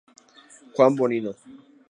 Juan Bonino.